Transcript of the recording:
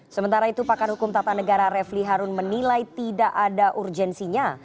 sementara itu pakar hukum tata negara refli harun menilai tidak ada urgensinya